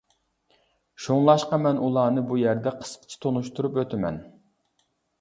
شۇڭلاشقا مەن ئۇلارنى بۇ يەردە قىسقىچە تونۇشتۇرۇپ ئۆتىمەن.